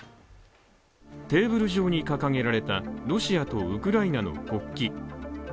テーブル上に掲げられたロシアとウクライナの国旗。